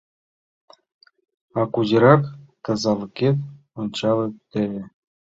— А кузерак тазалыкет — ончалыт теве.